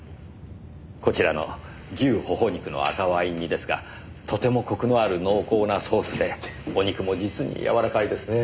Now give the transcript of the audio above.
こちらの牛ほほ肉の赤ワイン煮ですがとてもこくのある濃厚なソースでお肉も実に柔らかいですねえ。